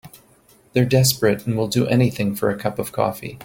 They're desperate and will do anything for a cup of coffee.